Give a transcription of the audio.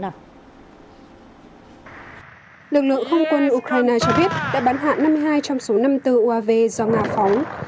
lực lượng không quân ukraine cho biết đã bắn hạ năm mươi hai trong số năm mươi bốn uav do nga phóng